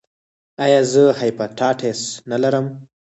ایا زه هیپاټایټس لرم؟